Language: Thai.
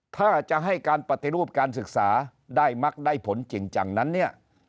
ถ้าจะให้การปฏิรูปการศึกษาได้มักได้ผลจริงจังนั้นเนี่ย